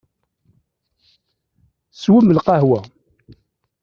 Swem lqahwa.